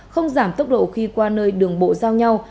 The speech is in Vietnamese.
không giảm tốc độ khi qua nơi đường bộ giao nhau